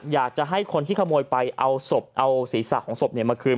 อยากจะให้คนที่ขโมยไปเอาศพเอาศีรษะของศพมาคืน